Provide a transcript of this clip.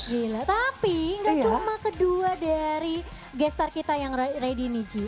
gila tapi gak cuma kedua dari guest star kita yang ready nih ji